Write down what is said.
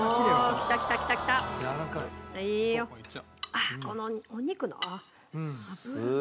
あっこのお肉の。